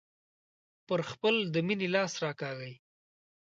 پرې خپل د مينې لاس راکاږي.